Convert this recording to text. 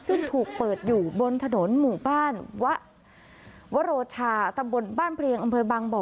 ซึ่งถูกเปิดอยู่บนถนนหมู่บ้านวะวโรชาตำบลบ้านเพลียงอำเภอบางบ่อ